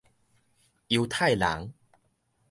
猶太人